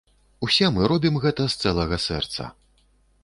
Усе мы робім гэта з цэлага сэрца.